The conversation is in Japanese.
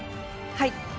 はい。